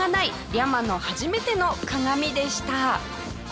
リャマの初めての鏡でした。